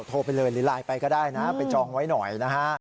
โทรไปเลยหรือไลน์ไปก็ได้นะไปจองไว้หน่อยนะฮะ